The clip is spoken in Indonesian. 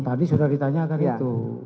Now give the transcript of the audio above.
tadi sudah ditanyakan itu